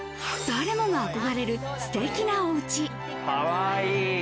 誰もが憧れる、すてきなおうち。